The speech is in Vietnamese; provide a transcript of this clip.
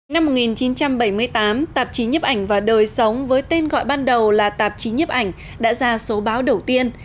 năm một nghìn chín trăm bảy mươi tám tạp chí nhấp ảnh và đời sống với tên gọi ban đầu là tạp chí nhấp ảnh đã ra số báo đầu tiên